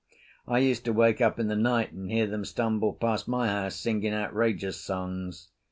I used to wake up in the night and hear them stumble past my house, singing outrageous songs.